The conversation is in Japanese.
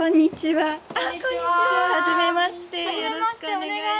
はい。